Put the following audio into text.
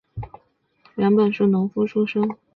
戈耳狄俄斯原本是农夫出身。